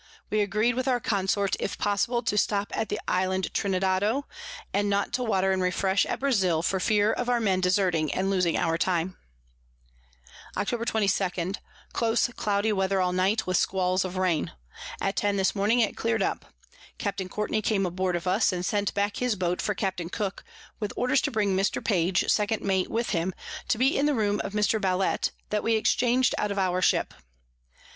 We agreed with our Consort, if possible, to stop at the Isle Trinidado, and not to water and refresh at Brazile, for fear of our Mens deserting, and losing our time. Octob. 22. Close cloudy Weather all night, with Squalls of Rain. At ten this morning it clear'd up: Capt. Courtney came aboard of us, and sent back his Boat for Capt. Cook, with Orders to bring Mr. Page, second Mate, with him, to be in the room of Mr. Ballett, that we exchang'd out of our Ship.